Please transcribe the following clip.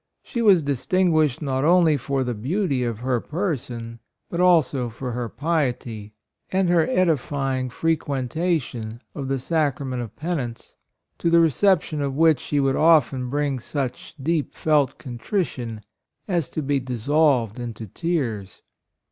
She was distinguished not only for the beauty of her person, but also for her piety and her edifying frequen tation of the Sacrament of Penance, 20 HIS MOTHER, to the reception of which she would often bring such deep felt contrition as to be dissolved into tears.